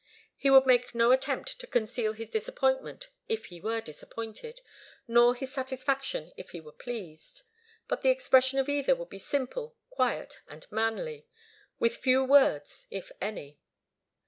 He would make no attempt to conceal his disappointment if he were disappointed, nor his satisfaction if he were pleased, but the expression of either would be simple, quiet and manly, with few words, if any.